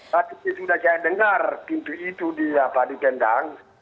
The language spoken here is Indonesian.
saat itu sudah saya dengar pintu itu di apa di tendang